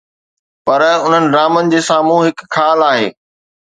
پر انهن ڊرامن جي سامهون هڪ خال آهي.